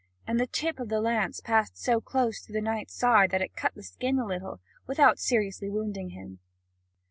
And the tip of the lance passed so close to the knight's side that it cut the skin a little, without seriously wounding him.